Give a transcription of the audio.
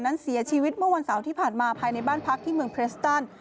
นั้นเสียชีวิตเมื่อวันเสาร์ที่ผ่านมาภายในบ้านพักที่เมืองเพรสตัน